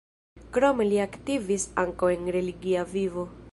Krome li aktivis ankaŭ en religia vivo.